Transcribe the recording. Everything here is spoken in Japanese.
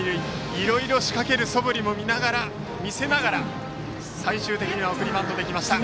いろいろ仕掛けるそぶりも見せながら最終的には送りバントで来ました。